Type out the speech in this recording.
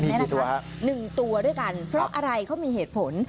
นี่นะคะ๑ตัวด้วยกันเพราะอะไรเขามีเหตุผล